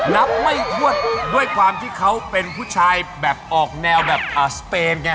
รับไม่ทวดด้วยความที่เขาเป็นผู้ชายแบบออกแนวแบบสเปนไง